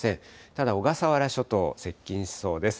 ただ小笠原諸島、接近しそうです。